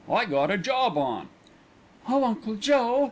"I got a job on." "Oh, Uncle Joe!"